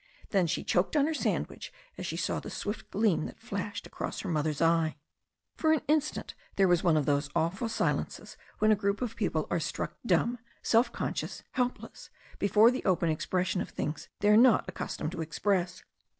Then she choked on her sandwich as she saw the swift gleam that flashed across her mother's eye. For an instant there was one of those awful silences when a group of people are struck dumb, 'self conscious, helpless, before the open expression of things they are not accustomed to express.